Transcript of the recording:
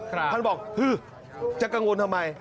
ท่านบอกฮือจะกังวลทำไม